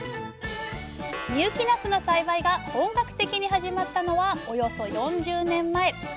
深雪なすの栽培が本格的に始まったのはおよそ４０年前。